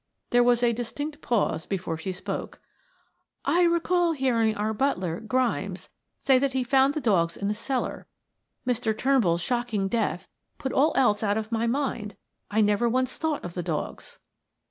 There was a distinct pause before she spoke. "I recall hearing our butler, Grimes, say that he found the dogs in the cellar. Mr. Turnbull's shocking death put all else out of my mind; I never once thought of the dogs."